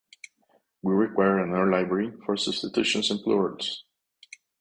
We require another library for substitutions and plurals.